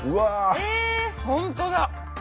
えほんとだ！